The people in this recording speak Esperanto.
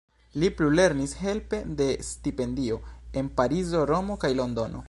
Li plulernis helpe de stipendio en Parizo, Romo kaj Londono.